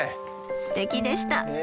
すてきでした。